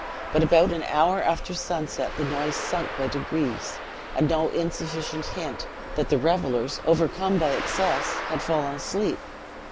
But about an hour after sunset the noise sunk by degrees a no insufficient hint that the revelers, overcome by excess, had fallen asleep.